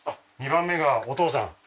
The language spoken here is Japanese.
２番目がお父さん